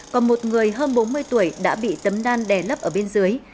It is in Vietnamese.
còn một người hơn bốn mươi tuổi đã bị tấm đan đè lấp ở bên dưới